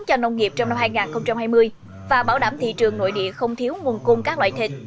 cho nông nghiệp trong năm hai nghìn hai mươi và bảo đảm thị trường nội địa không thiếu nguồn cung các loại thịt